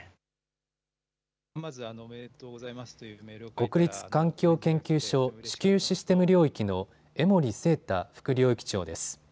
国立環境研究所地球システム領域の江守正多副領域長です。